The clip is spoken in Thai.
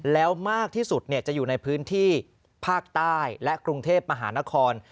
แล้วมากที่สุดจะอยู่ในพื้นที่ภาคใต้และกรุงเทพมหานคร